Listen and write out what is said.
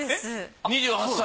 ２８歳。